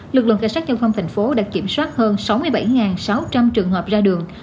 lực lượng cảnh sát dâu thông tp đã kiểm soát hơn sáu mươi bảy sáu trăm linh trường hợp ra đường